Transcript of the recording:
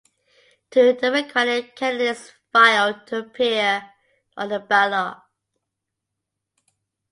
Two Democratic candidates filed to appear on the ballot.